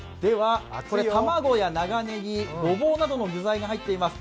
卵や長ねぎ、ごぼうなどの具材が入っています。